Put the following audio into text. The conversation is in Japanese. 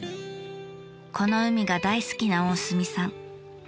この海が大好きな大住さん。